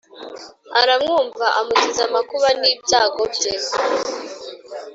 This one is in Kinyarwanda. aramwumva Amukiza amakuba n ibyago bye